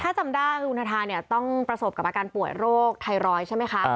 ถ้าจำได้คุณทาทาเนี่ยต้องประสบกับอาการป่วยโรคไทรอยด์ใช่ไหมคะ